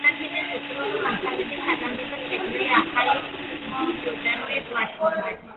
წარადგინეს უპილოტო მანქანებისთვის საგანგებოდ შექმნილი ახალი კომპიუტერული პლატფორმაც.